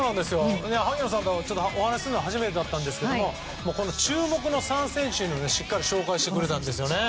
萩野さんとお話しするの初めてだったんですけど注目の３選手をしっかり紹介してくれたんですよね。